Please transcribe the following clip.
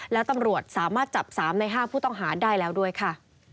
แล้วตำรวจสามารถจับ๓ใน๕ผู้ต้องหาได้แล้วด้วยค่ะ